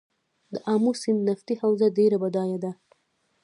د امو سیند نفتي حوزه ډیره بډایه ده